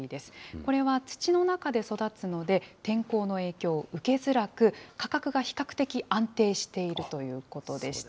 これは土の中で育つので、天候の影響受けづらく、価格が比較的安定しているということでした。